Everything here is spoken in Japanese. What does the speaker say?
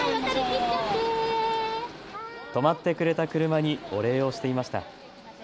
止まってくれた車にお礼をしていました。